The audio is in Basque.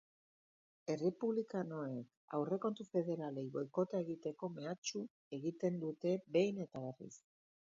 Errepublikanoek aurrekontu federalei boikota egiteko mehatxu egiten dute behin eta berriz.